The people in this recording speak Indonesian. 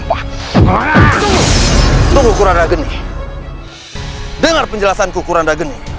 aku bisa menjelaskan semuanya